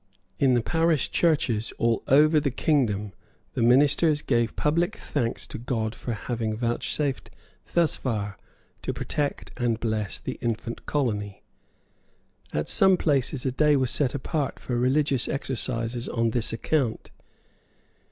In the parish churches all over the kingdom the ministers gave public thanks to God for having vouchsafed thus far to protect and bless the infant colony. At some places a day was set apart for religious exercises on this account.